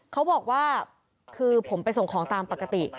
เขาบอกว่าคือผมไปส่งของตามปกติ